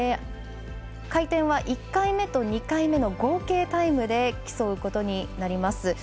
回転は１回目と２回目の合計タイムで競うことになります。